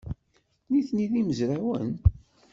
Nitni d imezrawen?